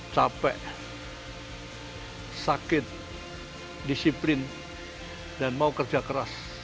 capek sakit disiplin dan mau kerja keras